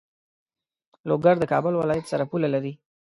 لوګر د کابل ولایت سره پوله لری.